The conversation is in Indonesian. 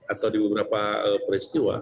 atau di beberapa peristiwa